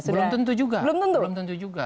belum tentu juga